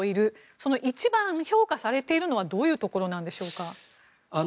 その一番評価されているのはどういうところなんでしょうか。